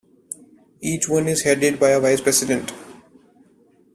Each one is headed by a vice president.